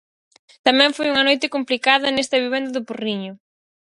Tamén foi unha noite complicada nesta vivenda do Porriño.